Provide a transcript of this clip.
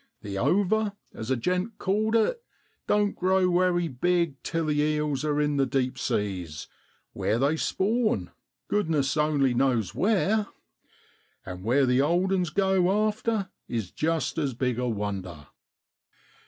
The ' over ' (ova), as a gent called it, don't grow wery big till the eels are in the deep seas where they spawn, goodness only knows where; and where the old 'uns go after is just as big a wonder.